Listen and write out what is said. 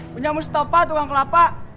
punya mustafa tukang kelapa